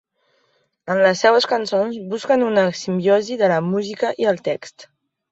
En les seues cançons busquen una simbiosi de la música i el text.